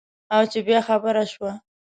او چې بیا خبره شوه.